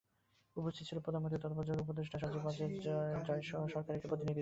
উপস্থিত ছিল প্রধানমন্ত্রীর তথ্যপ্রযুক্তিবিষয়ক উপদেষ্টা সজীব ওয়াজেদ জয়সহ সরকারের একটি প্রতিনিধিদল।